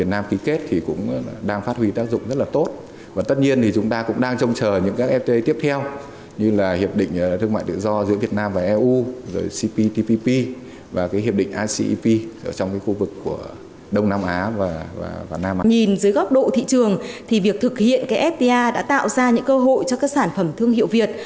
nhìn dưới góc độ thị trường thì việc thực hiện cái fta đã tạo ra những cơ hội cho các sản phẩm thương hiệu việt